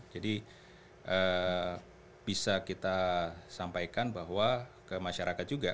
bisa kita sampaikan bahwa ke masyarakat juga